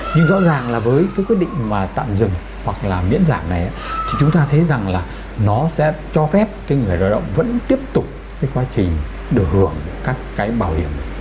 nhưng rõ ràng là với cái quyết định mà tạm dừng hoặc là miễn giảm này thì chúng ta thấy rằng là nó sẽ cho phép cái người lao động vẫn tiếp tục cái quá trình được hưởng các cái bảo hiểm